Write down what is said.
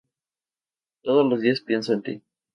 Todos los días pienso en ti.